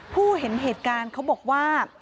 ผู้เห็นเหตุการณ์เขาบอกว่า